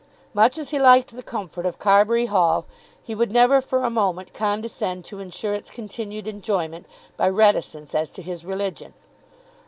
Much as he liked the comfort of Carbury Hall, he would never for a moment condescend to ensure its continued enjoyment by reticence as to his religion.